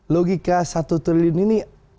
logika satu triliun ini agak tidak masuk akal ya